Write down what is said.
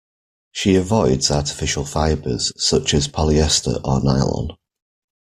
She avoids artificial fibres such as polyester or nylon.